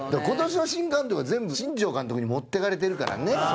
今年の新監督は全部新庄監督に持っていかれてるからね。